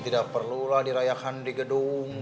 tidak perlulah dirayakan di gedung